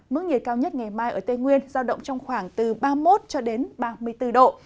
mức nhiệt cao nhất ngày mai ở tây nguyên giao động trong khoảng từ ba mươi một cho đến ba mươi bốn độ